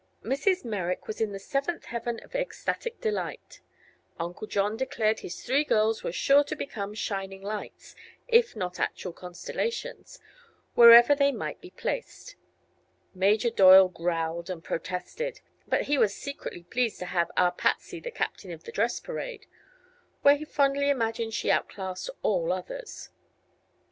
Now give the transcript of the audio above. Mrs. Merrick was in the seventh heaven of ecstatic delight; Uncle John declared his three girls were sure to become shining lights, if not actual constellations, wherever they might be placed; Major Doyle growled and protested; but was secretly pleased to have "our Patsy the captain of the dress parade," where he fondly imagined she outclassed all others.